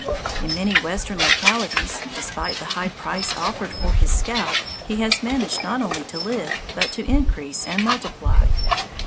In many Western localities, despite the high price offered for his scalp, he has managed not only to live, but to increase and multiply.